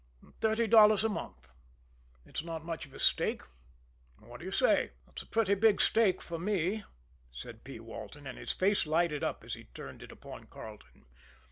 Thirty dollars a month it's not much of a stake what do you say?" "It's a pretty big stake for me," said P. Walton, and his face lighted up as he turned it upon Carleton.